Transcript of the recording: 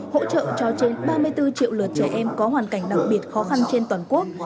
hỗ trợ cho trên ba mươi bốn triệu lượt trẻ em có hoàn cảnh đặc biệt khó khăn trên toàn quốc